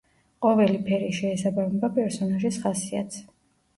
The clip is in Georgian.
ყოველი ფერი შეესაბამება პერსონაჟის ხასიათს.